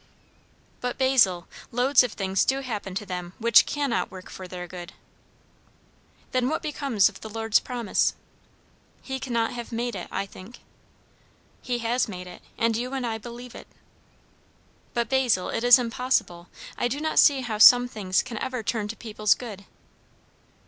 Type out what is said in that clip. "But, Basil, loads of things do happen to them which cannot work for their good." "Then what becomes of the Lord's promise?" "He cannot have made it, I think." "He has made it, and you and I believe it." "But, Basil, it is impossible. I do not see how some things can ever turn to people's good."